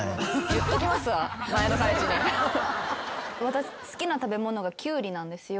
私好きな食べ物がキュウリなんですよ。